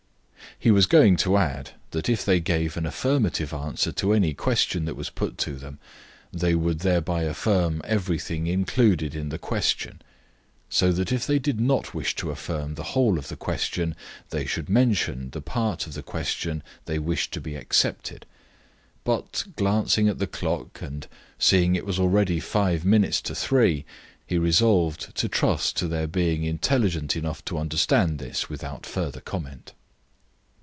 He was going to add that if they gave an affirmative answer to any question that was put to them they would thereby affirm everything included in the question, so that if they did not wish to affirm the whole of the question they should mention the part of the question they wished to be excepted. But, glancing at the clock, and seeing it was already five minutes to three, he resolved to trust to their being intelligent enough to understand this without further comment.